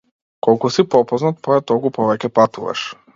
Колку си попознат поет толку повеќе патуваш.